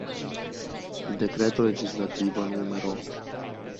Il decreto legislativo nr.